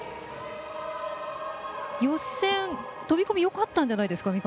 予選、飛び込みよかったんじゃないですか。